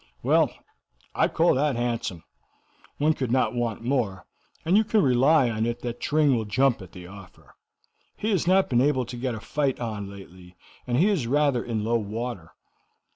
"Well, I call that handsome. One could not want more, and you can rely on it that Tring will jump at the offer. He has not been able to get a fight on lately, and he is rather in low water."